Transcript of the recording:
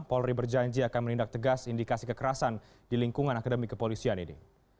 polri berjanji akan menindak tegas indikasi kekerasan di lingkungan akademi kepolisian ini